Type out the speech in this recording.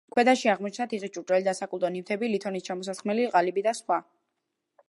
ქვედაში აღმოჩნდა თიხის ჭურჭელი და საკულტო ნივთები ლითონის ჩამოსასხმელი ყალიბი და სხვა.